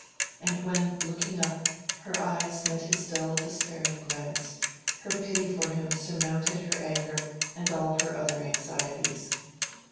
And when, looking up, her eyes met his dull despairing glance, her pity for him surmounted her anger and all her other anxieties.